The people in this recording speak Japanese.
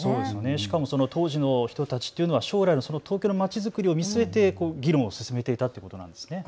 しかも当時の人たちというのは将来の東京のまちづくりを見据えて議論を進めていたということなんですね。